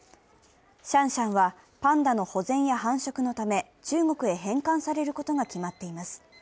シャンシャンはパンダの保全や繁殖のため中国へ返還されることが決まっています。